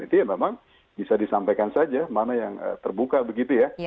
itu ya memang bisa disampaikan saja mana yang terbuka begitu ya